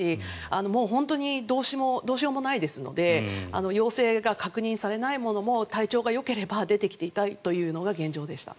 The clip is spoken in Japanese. もう本当にどうしようもないですので陽性を確認されない者も体調がよければ出てきていたいというのが現状でした。